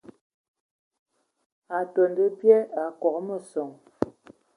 Atondo bye Akogo meson.